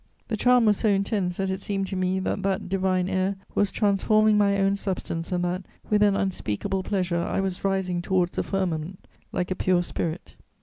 The charm was so intense that it seemed to me that that divine air was transforming my own substance, and that, with an unspeakable pleasure, I was rising towards the firmament like a pure spirit....